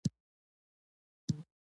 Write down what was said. د بادغیس ځنګلونه پسته دي